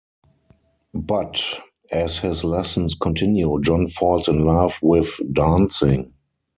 But, as his lessons continue, John falls in love with dancing.